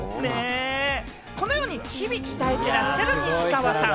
このように日々、鍛えてらっしゃる西川さん。